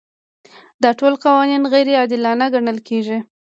دا ټول قوانین غیر عادلانه ګڼل کیږي.